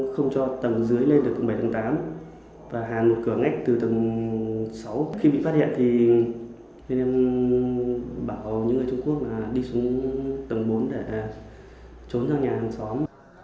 khi bị phát hiện thì nên em bảo những người trung quốc đi xuống tầng bốn để trốn ra nhà hàng xóm